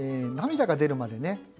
泪が出るまでね